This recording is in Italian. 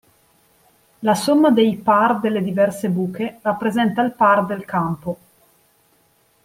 La somma dei par delle diverse buche rappresenta il par del campo.